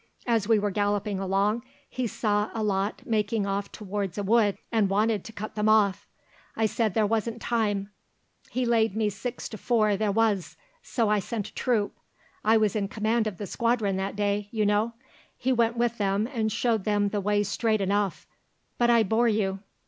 As we were galloping along, he saw a lot making off towards a wood, and wanted to cut them off. I said there wasn't time; he laid me six to four there was, so I sent a troop, I was in command of the squadron that day you know. He went with them and showed them the way straight enough, but I bore you?"